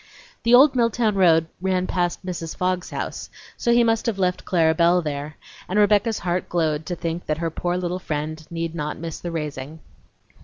The old Milltown road ran past Mrs. Fogg's house, so he must have left Clara Belle there, and Rebecca's heart glowed to think that her poor little friend need not miss the raising.